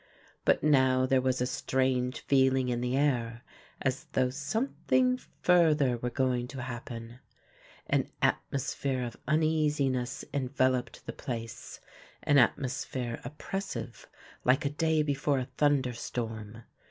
But now there was a strange feeling in the air as though something further were going to happen. An atmosphere of uneasiness enveloped the place, an atmosphere oppressive like a day before a thunderstorm.